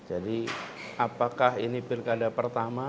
jadi apakah ini pilkada pertama